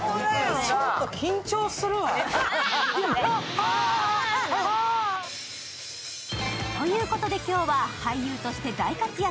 ちょっと緊張するわあ！ということで今日は俳優として大活躍